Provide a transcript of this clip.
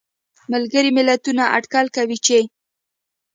ملګري ملتونه اټکل کوي چې